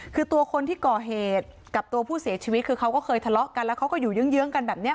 คือตัวคนที่ก่อเหตุกับตัวผู้เสียชีวิตคือเขาก็เคยทะเลาะกันแล้วเขาก็อยู่เยื้องกันแบบนี้